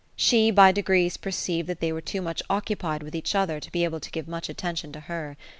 She by degrees perceived that they were too much occupied with each other to be able to give much attention to her.